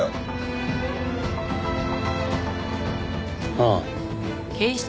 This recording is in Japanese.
ああ。